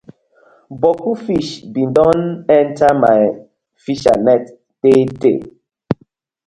Boku fish been don enter my fishernet tey tey.